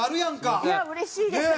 いやあうれしいですね。